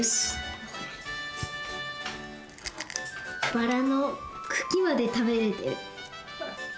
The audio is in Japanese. バラのくきまでたべれてる。